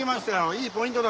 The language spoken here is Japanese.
いいポイントだ